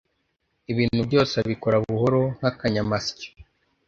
ibintu byose abikora buhoro nk’akanyamasyo